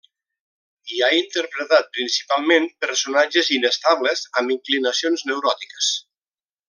I ha interpretat principalment personatges inestables, amb inclinacions neuròtiques.